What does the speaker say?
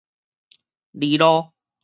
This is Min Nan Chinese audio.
哩囉